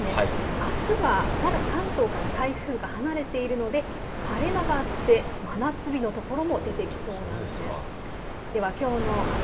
あすはまだ関東から台風が離れているので晴れ間があって真夏日のところも出てきそうなんです。